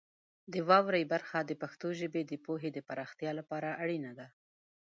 د واورئ برخه د پښتو ژبې د پوهې د پراختیا لپاره اړینه ده.